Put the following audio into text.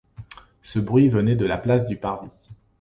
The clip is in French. Ce bruit venait de la place du Parvis.